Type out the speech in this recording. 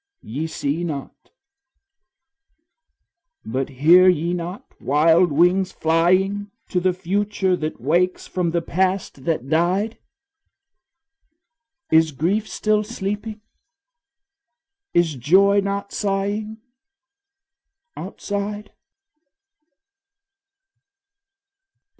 Ye see not, but hear ye not wild wings flying To the future that wakes from the past that died? Is grief still sleeping, is joy not sighing Outside?